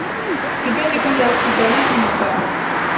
Sipendi kwenda hosipitalini na baba